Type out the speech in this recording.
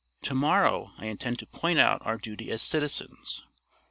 To morrow I intend to point out our duty as citizens.